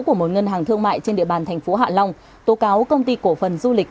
của một ngân hàng thương mại trên địa bàn thành phố hạ long tố cáo công ty cổ phần du lịch